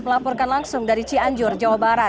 melaporkan langsung dari cianjur jawa barat